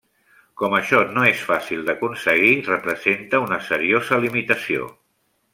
Com això no és fàcil d'aconseguir, representa una seriosa limitació.